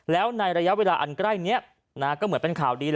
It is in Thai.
แล้วในระยะเวลาอันใกล้นี้ก็เหมือนเป็นข่าวดี